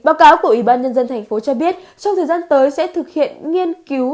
báo cáo của ủy ban nhân dân tp cho biết trong thời gian tới sẽ thực hiện nghiên cứu